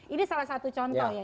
ini salah satu contoh ya